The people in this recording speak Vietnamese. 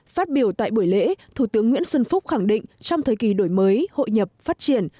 phát biểu tại buổi lễ thủ tướng nguyễn xuân phúc khẳng định trong thời kỳ đổi mới hội nhập phát triển